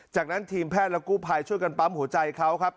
จากนั้นทีมแพทย์และกู้ภัยช่วยกันปั๊มหัวใจเขาครับ